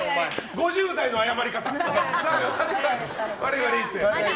５０代の謝り方。